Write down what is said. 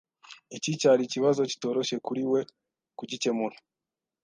Iki cyari ikibazo kitoroshye kuri we kugikemura.